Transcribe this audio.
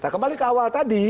kembali ke awal tadi